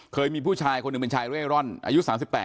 เคยมีผู้ชายคนหนึ่งเป็นชายเร่ร่อนอายุ๓๘